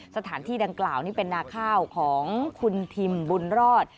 สถานที่ดังกล่าวนี่เป็นนาข้าวของคุณทิมบุญรอด